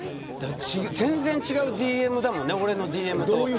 全然違うＤＭだね俺のＤＭと。